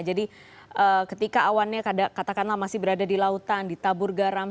jadi ketika awannya katakanlah masih berada di lautan di tabur garam